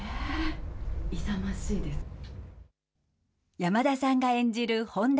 山田さんが演じる本多